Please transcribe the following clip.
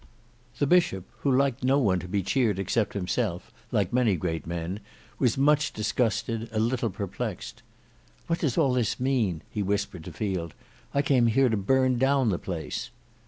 The Bishop who liked no one to be cheered except himself, like many great men, was much disgusted, a little perplexed. "What does all this mean?" he whispered to Field. "I came here to burn down the place."